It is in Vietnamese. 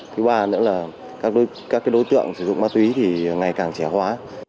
thứ ba nữa là các đối tượng sử dụng ma túy thì ngày càng trẻ hóa